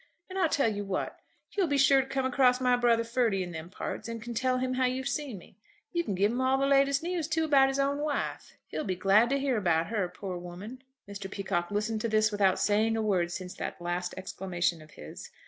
And I'll tell you what; you'll be sure to come across my brother Ferdy in them parts, and can tell him how you've seen me. You can give him all the latest news, too, about his own wife. He'll be glad to hear about her, poor woman." Mr. Peacocke listened to this without saying a word since that last exclamation of his.